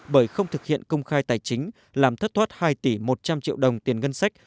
bởi không thực hiện công khai tài chính làm thất thoát hai tỷ một trăm linh triệu đồng tiền ngân sách